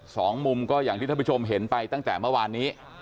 สองมุมก็อย่างที่ท่านผู้ชมเห็นไปตั้งแต่เมื่อวานนี้